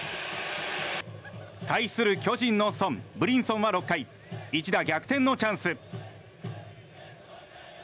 対する巨人のソンブリンソンは６回一打逆転のチャンス。